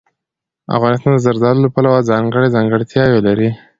افغانستان د زردالو له پلوه ځانته ځانګړې ځانګړتیاوې لري.